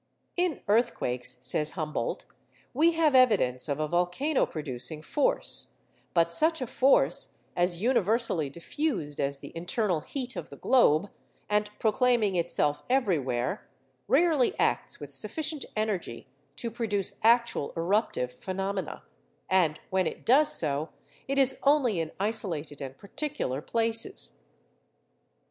'In earthquakes,' says Humboldt, 'we have evidence of a volcano producing force; but such a force, as universally diffused as the internal heat of the globe, and proclaiming itself everywhere, rarely acts with sufficient energy to produce actual eruptive phenomena; and when it does so, it is only in isolated and particular places.